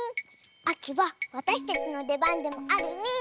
あきはわたしたちのでばんでもあるリーン。